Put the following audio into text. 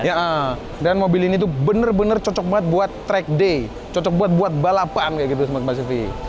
ya dan mobil ini tuh bener bener cocok banget buat track day cocok buat buat balapan kayak gitu sama mbak siti